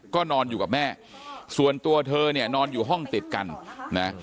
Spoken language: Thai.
ก็นอนอยู่กับแม่ส่วนตัวเธอเนี่ยนอนอยู่ห้องติดกันนะ